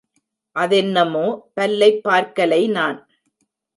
அதென்னமோ பல்லை பார்க்கலை நான்.